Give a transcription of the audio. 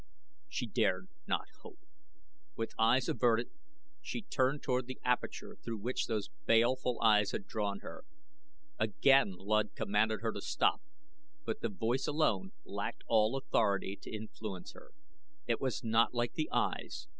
She dared not hope. With eyes averted she turned toward the aperture through which those baleful eyes had drawn her. Again Luud commanded her to stop, but the voice alone lacked all authority to influence her. It was not like the eyes.